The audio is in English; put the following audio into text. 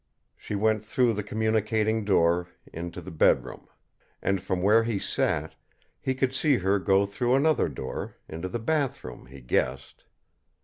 She went through the communicating door into the bedroom, and, from where he sat, he could see her go through another door into the bathroom, he guessed.